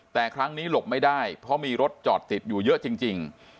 แต่ครั้งนี้หลบไม่ได้เพราะมีรถจอดติดอยู่เยอะจริง